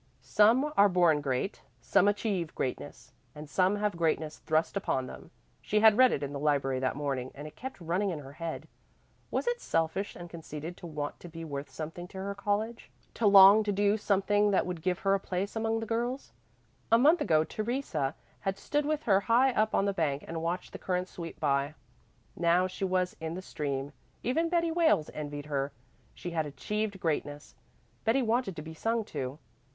"Some are born great, some achieve greatness, and some have greatness thrust upon them:" she had read it in the library that morning and it kept running in her head. Was it selfish and conceited to want to be worth something to her college to long to do something that would give her a place among the girls? A month ago Theresa had stood with her high up on the bank and watched the current sweep by. Now she was in the stream; even Betty Wales envied her; she had "achieved greatness." Betty wanted to be sung to.